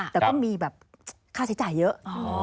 แต่ก็มีแบบค่าใช้จ่ายเยอะ